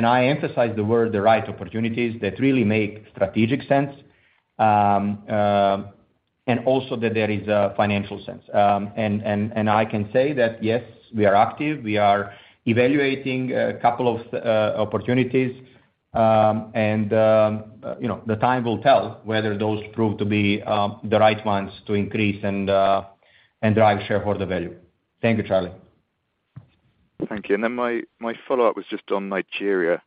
I emphasize the word the right opportunities that really make strategic sense. Also that there is a financial sense. I can say that yes, we are active. We are evaluating a couple of opportunities. You know, the time will tell whether those prove to be the right ones to increase and drive shareholder value. Thank you, Charlie. Thank you. My follow-up was just on Nigeria.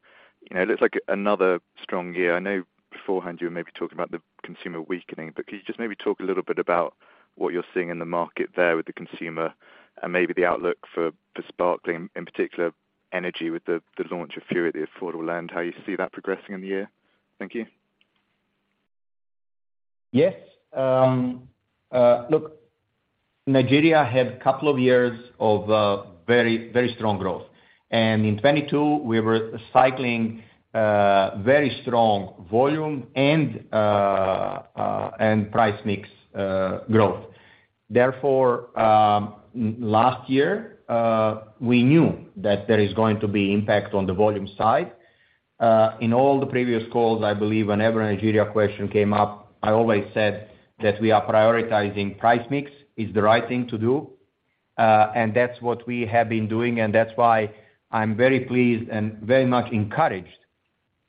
You know, it looks like another strong year. I know beforehand you were maybe talking about the consumer weakening, but can you just maybe talk a little bit about what you're seeing in the market there with the consumer and maybe the outlook for Sparkling, in particular energy with the launch of Fury, the affordable land, how you see that progressing in the year? Thank you. Yes. Look, Nigeria had couple of years of very strong growth. In 2022 we were cycling very strong volume and price mix growth. Last year, we knew that there is going to be impact on the volume side. In all the previous calls, I believe whenever a Nigeria question came up, I always said that we are prioritizing price mix. It's the right thing to do, and that's what we have been doing, and that's why I'm very pleased and very much encouraged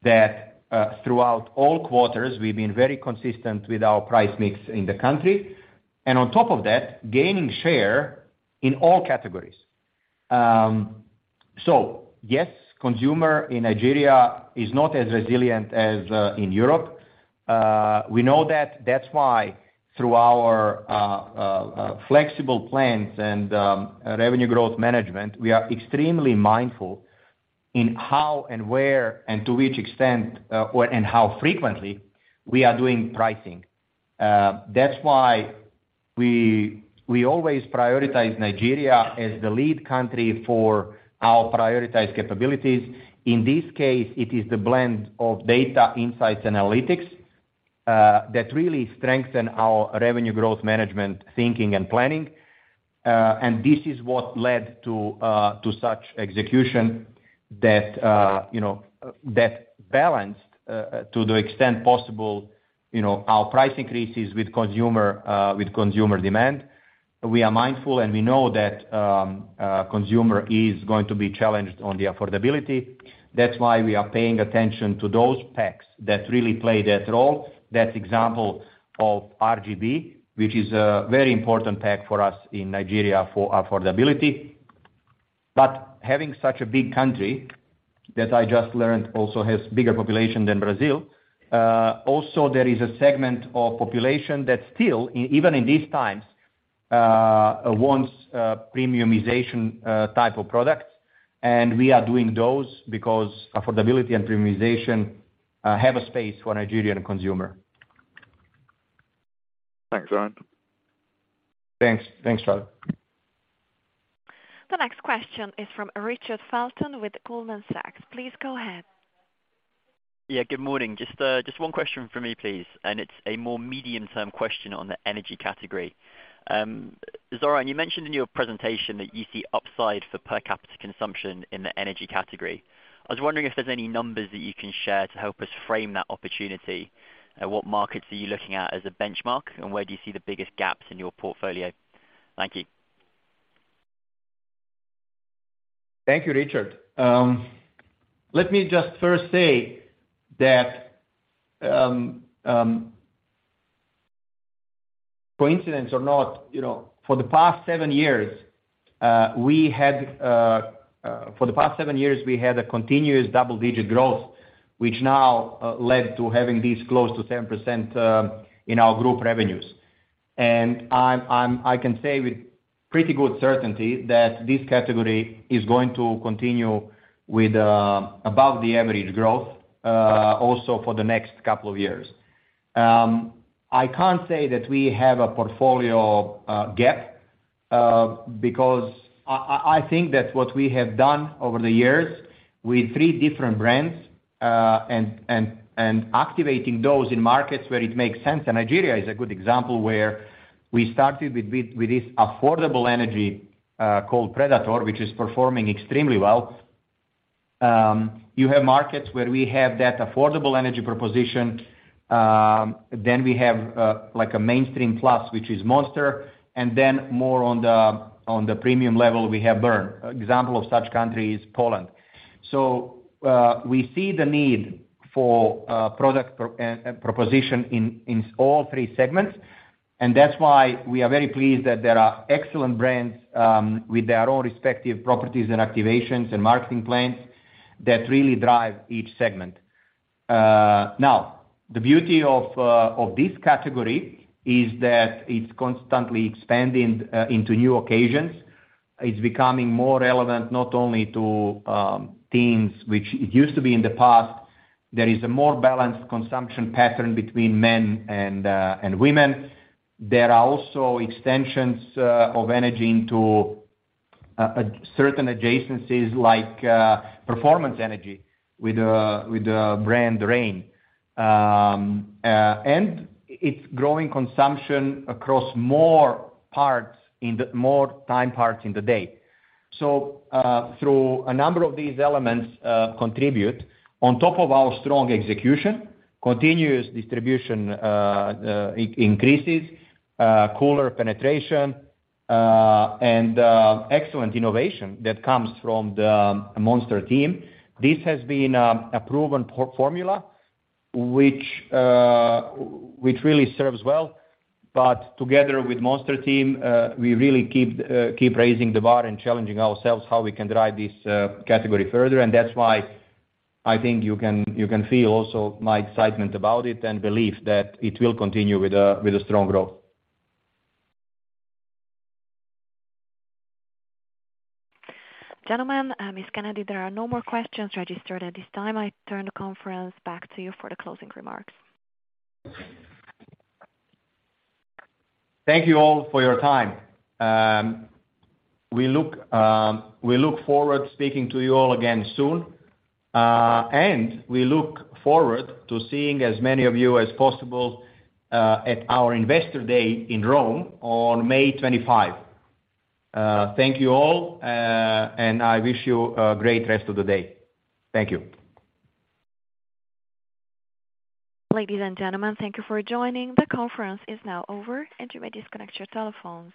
that throughout all quarters we've been very consistent with our price mix in the country. On top of that, gaining share in all categories. Yes, consumer in Nigeria is not as resilient as in Europe. We know that. Through our flexible plans and revenue growth management, we are extremely mindful in how and where and to which extent, where and how frequently we are doing pricing. We always prioritize Nigeria as the lead country for our prioritized capabilities. In this case, it is the blend of data insights analytics that really strengthen our revenue growth management thinking and planning. This is what led to such execution that, you know, that balanced to the extent possible, you know, our price increases with consumer with consumer demand. We are mindful, and we know that consumer is going to be challenged on the affordability. We are paying attention to those packs that really play that role. That example of RGB, which is a very important pack for us in Nigeria for affordability. Having such a big country that I just learned also has bigger population than Brazil, also there is a segment of population that still, even in these times, wants premiumization type of products, and we are doing those because affordability and premiumization have a space for Nigerian consumer. Thanks, Zoran. Thanks. Thanks, Charlie. The next question is from Richard Felton with Goldman Sachs. Please go ahead. Good morning. Just one question from me, please. It's a more medium-term question on the energy category. Zoran, you mentioned in your presentation that you see upside for per capita consumption in the energy category. I was wondering if there's any numbers that you can share to help us frame that opportunity. What markets are you looking at as a benchmark, and where do you see the biggest gaps in your portfolio? Thank you. Thank you, Richard. Let me just first say that, coincidence or not, you know, for the past 7 years we had a continuous double-digit growth, which now led to having these close to 7% in our group revenues. I can say with pretty good certainty that this category is going to continue with above the average growth also for the next couple of years. I can't say that we have a portfolio gap because I think that what we have done over the years with three different brands and activating those in markets where it makes sense, Nigeria is a good example where we started with this affordable energy called Predator, which is performing extremely well. You have markets where we have that affordable energy proposition, then we have like a mainstream plus, which is Monster, and then more on the premium level we have Burn. Example of such country is Poland. We see the need for proposition in all three segments, and that's why we are very pleased that there are excellent brands with their own respective properties and activations and marketing plans that really drive each segment. The beauty of this category is that it's constantly expanding into new occasions. It's becoming more relevant not only to teens, which it used to be in the past. There is a more balanced consumption pattern between men and women. There are also extensions of energy into a certain adjacencies like performance energy with the brand Reign. It's growing consumption across more time parts in the day. Through a number of these elements contribute on top of our strong execution, continuous distribution increases, cooler penetration, and excellent innovation that comes from the Monster team. This has been a proven for-formula which really serves well. Together with Monster team, we really keep raising the bar and challenging ourselves how we can drive this category further. That's why I think you can, you can feel also my excitement about it and belief that it will continue with a strong growth. Gentlemen, Ms. Kennedy, there are no more questions registered at this time. I turn the conference back to you for the closing remarks. Thank you all for your time. We look forward to speaking to you all again soon. We look forward to seeing as many of you as possible, at our Investor Day in Rome on May 25. Thank you all. I wish you a great rest of the day. Thank you. Ladies and gentlemen, thank you for joining. The conference is now over, and you may disconnect your telephones.